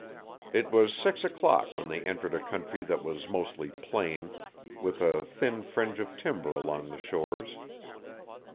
It was six o'clock when they entered a country that was mostly plain, with a thin fringe of timber along the shores.